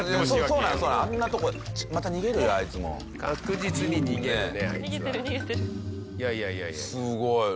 すごい。